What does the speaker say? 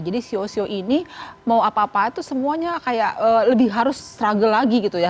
jadi shou shou ini mau apa apa itu semuanya kayak lebih harus struggle lagi gitu ya